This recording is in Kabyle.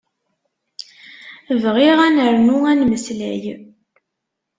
Bɣiɣ ad nernu ad nmeslay.